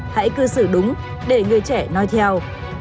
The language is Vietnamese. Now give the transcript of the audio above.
hãy cư xử đúng để người trẻ nói theo